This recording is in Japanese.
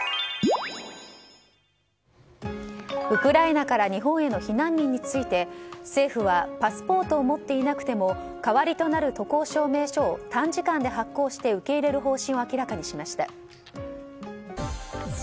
ウクライナから日本への避難民について政府はパスポートを持っていなくても代わりとなる渡航証明書を短時間で発行して受け入れる方針を明らかにしました。